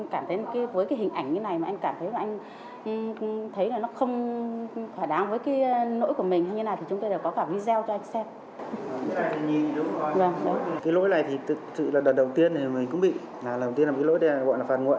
cái lỗi này thì thực sự là lần đầu tiên mình cũng bị lần đầu tiên là cái lỗi này gọi là phản nguội